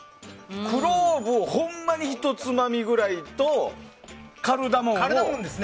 クローブをほんまにひとつまみぐらいとカルダモンと。